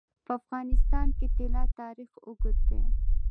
په افغانستان کې د طلا تاریخ اوږد دی.